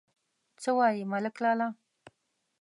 _څه وايي ملک لالا!